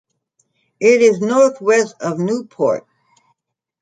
It is north west of Newport.